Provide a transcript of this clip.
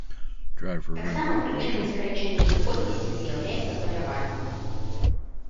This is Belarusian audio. Таксама прычынай скарачэння іх колькасці з'яўляецца паляванне.